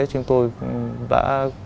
chúng tôi đã